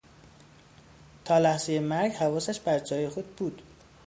تا لحظهی مرگ حواسش بر جای خود بود.